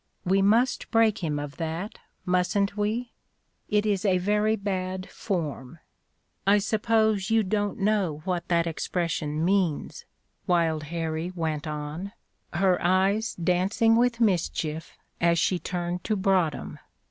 We must break him of that, mustn't we? It is a very bad 'form.' I suppose you don't know what that expression means," Wild Harrie went on, her eyes dancing with mischief as she turned to Broadhem.